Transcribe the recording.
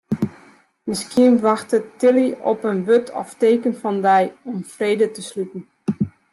Miskien wachtet Tilly op in wurd of teken fan dy om frede te sluten.